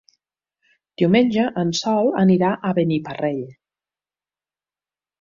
Diumenge en Sol anirà a Beniparrell.